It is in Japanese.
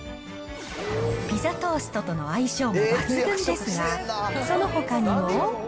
ピザトーストとの相性も抜群ですが、そのほかにも。